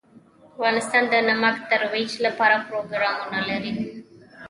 افغانستان د نمک د ترویج لپاره پروګرامونه لري.